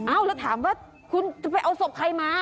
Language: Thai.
เราถามว่าคุณจะไปเอาศพใครมา